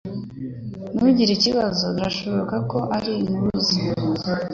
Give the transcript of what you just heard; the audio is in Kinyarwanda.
Ntugire ikibazo. Birashoboka ko ari impuruza.